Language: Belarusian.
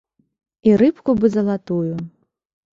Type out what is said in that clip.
І рыбку бы залатую.